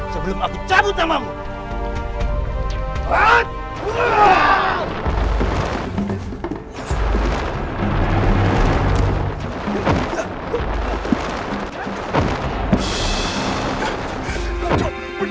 sebelum aku cabut namamu